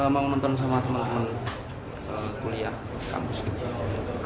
mengunungkan teman teman kuliah kampus ini